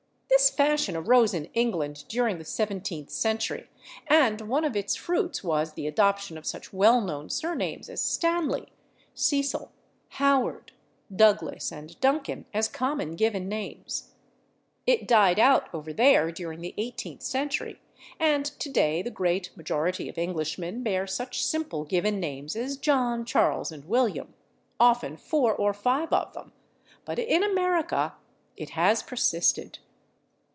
This fashion arose in England during the seventeenth century, and one of its fruits was the adoption of such well known surnames as /Stanley/, /Cecil/, /Howard/, /Douglas/ and /Duncan/ as common given names. It died out over there during the eighteenth century, and today the great majority of Englishmen bear such simple given names as /John/, /Charles/ and /William/ often four or five of them but in America it has persisted.